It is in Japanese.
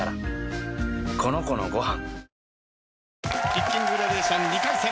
キッキンググラデーション２回戦